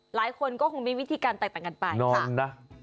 หลายคนก็คงมีวิธีการแตกต่างกันไปนอนนะ